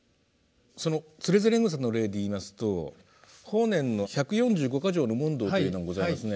その「徒然草」の例でいいますと法然の「一百四十五箇条問答」というのがございますね。